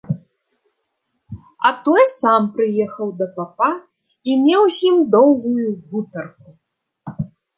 А той сам прыехаў да папа і меў з ім доўгую гутарку.